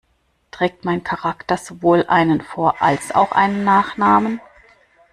Trägt mein Charakter sowohl einen Vor- als auch einen Nachnamen?